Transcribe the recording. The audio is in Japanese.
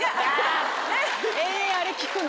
延々あれ聞くの？